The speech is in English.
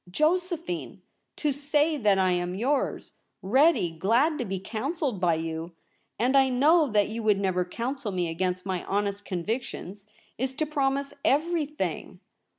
Josephine — to say that I am yours — ready — glad to be counselled by you, and I know that you would never counsel me against my honest convictions, Is to promise everything.